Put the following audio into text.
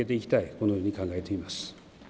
このように考えています。